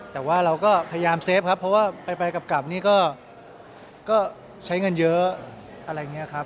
แต่ว่าเราก็พยายามเซฟครับเพราะว่าไปกลับนี่ก็ใช้เงินเยอะอะไรอย่างนี้ครับ